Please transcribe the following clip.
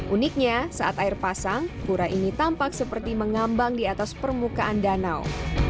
uniknya saat air pasang pura ini tampak seperti mengambang di atas permukaan danau